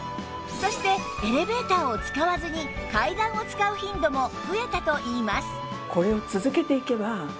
そしてエレベーターを使わずに階段を使う頻度も増えたといいます